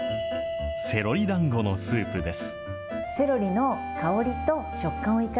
セロリだんごのスープです。